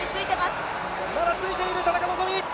まだついている、田中希実。